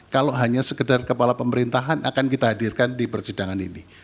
kalau hanya sekedar kepala pemerintahan akan kita hadirkan di persidangan ini